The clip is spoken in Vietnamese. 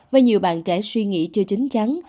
với nhiều bạn trẻ suy nghĩ chưa chính chắn